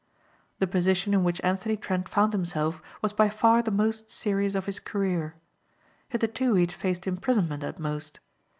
The position in which Anthony Trent found himself was by far the most serious of his career. Hitherto he had faced imprisonment at most.